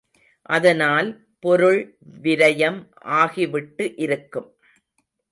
அதனால் பொருள் விரயம் ஆகிவிட்டு இருக்கும்.